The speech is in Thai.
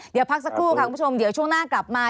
เดี๋ยวพักสักครู่ค่ะคุณผู้ชมเดี๋ยวช่วงหน้ากลับมา